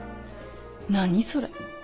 何それ。